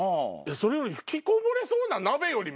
それより「吹きこぼれそうな鍋」より。